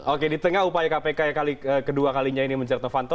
oke di tengah upaya kpk yang kedua kalinya ini menjerat novanto